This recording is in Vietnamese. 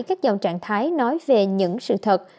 các dòng trạng thái nói về những sự thật